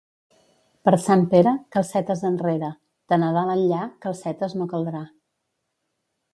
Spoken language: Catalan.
Per Sant Pere, calcetes enrere; de Nadal enllà, calcetes no caldrà.